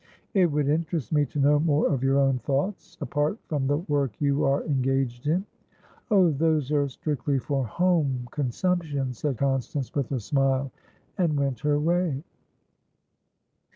"It would interest me to know more of your own thoughtsapart from the work you are engaged in." "Oh, those are strictly for home consumption," said Constance with a smile; and went her way.